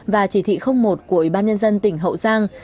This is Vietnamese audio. và chỉ thị một của ủy ban nhân dân tỉnh hậu giang